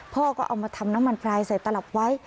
พ่อก็เอามาทำน้ำมันพลายใส่ตลับไว้